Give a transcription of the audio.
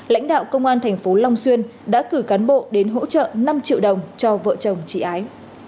lãnh đạo công an thành phố long xuyên đã cử cán bộ đến hỗ trợ năm triệu đồng cho vợ chồng chị gái